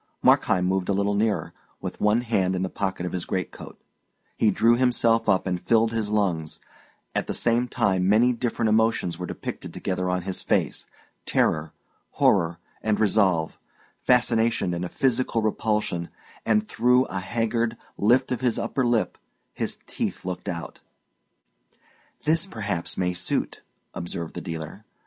Markheim moved a little nearer, with one hand in the pocket of his greatcoat; he drew himself up and filled his lungs; at the same time many different emotions were depicted together on his face terror, horror, and resolve, fascination and a physical repulsion; and through a haggard lift of his upper lip, his teeth looked out. "This, perhaps, may suit," observed the dealer.